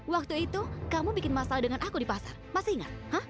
waktu itu kamu bikin masalah dengan aku di pasar masih ingat